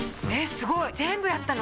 すごい全部やったの？